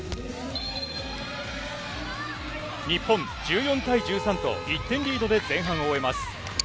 日本、１４対１３と、１点リードで前半を終えます。